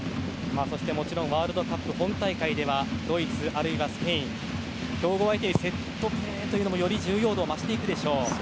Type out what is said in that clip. もちろんワールドカップ本大会ではドイツ、あるいはスペイン強豪相手にセットプレーもより重要度を増していくでしょう。